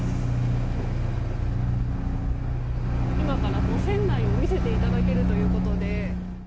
今から船内を見せていただけるということで。